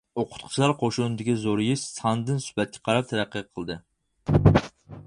ئوقۇتقۇچىلار قوشۇنىدىكى زورىيىش ساندىن سۈپەتكە قاراپ تەرەققىي قىلدى.